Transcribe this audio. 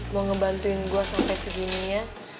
mau ngebantuin gue sampai segininya